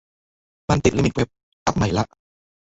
มันติดลิมิตเว็บ อัปใหม่ละ